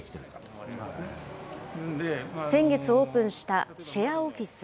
先月オープンしたシェアオフィス。